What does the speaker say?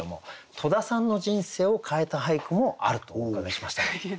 戸田さんの人生を変えた俳句もあるとお伺いしましたが。